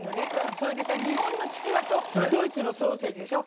それで日本のちくわとドイツのソーセージでしょ。